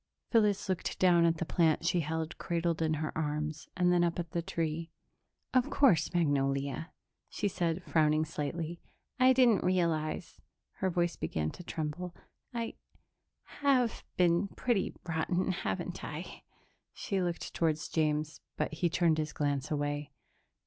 Phyllis looked down at the plant she held cradled in her arms and then up at the tree. "Of course, Magnolia," she said, frowning slightly. "I didn't realize...." Her voice began to tremble. "I have been pretty rotten, haven't I?" She looked toward James, but he turned his glance away.